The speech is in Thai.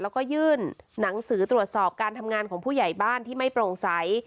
แล้วก็ยื่นหนังสือตรวจสอบการทำงานของผู้ใหญ่บ้านที่ไม่โปร่งใส